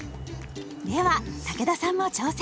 では武田さんも挑戦！